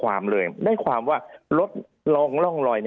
ภารกิจสรรค์ภารกิจสรรค์